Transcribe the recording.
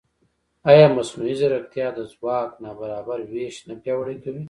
ایا مصنوعي ځیرکتیا د ځواک نابرابر وېش نه پیاوړی کوي؟